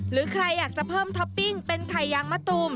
หรือใครอยากจะเพิ่มท็อปปิ้งเป็นไข่ยางมะตูม